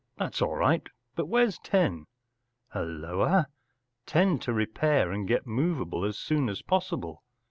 That’s all right. But where’s Ten ? Halloa ! Ten to repair and get movable as soon as possible.